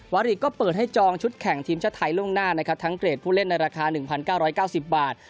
วาริกก็เปิดให้จองชุดแข่งทีมชาติไทยล่วงหน้านะครับทั้งเกรดผู้เล่นในราคา๑๙๙๐บาท